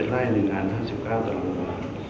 ๔๑ไร่๑อัน๕๙ตารางกว่า